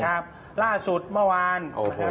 ครับล่าสุดเมื่อวานโอ้โห